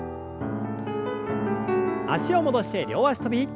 脚を戻して両脚跳び。